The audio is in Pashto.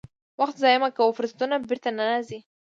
وخت ضایع مه کوه، فرصتونه بیرته نه راځي.